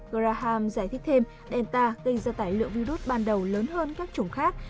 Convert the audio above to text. graham giải thích thêm delta gây ra tải lượng virus ban đầu lớn hơn các chủng khác